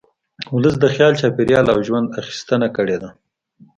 ولس د خپل چاپېریال او ژونده اخیستنه کړې ده